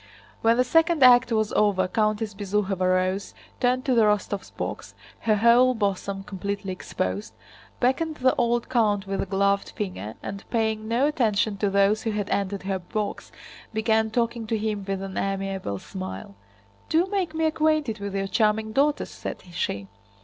When the second act was over Countess Bezúkhova rose, turned to the Rostóvs' box—her whole bosom completely exposed—beckoned the old count with a gloved finger, and paying no attention to those who had entered her box began talking to him with an amiable smile. "Do make me acquainted with your charming daughters," said she.